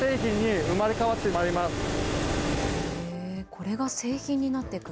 これが製品になっていく。